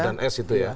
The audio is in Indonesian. f dan s itu ya